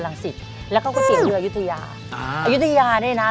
ลังสิสแล้วก็ก๋วิเตี๋ยวเรือยตะยาอ่าอายุตะยานี่น่ะ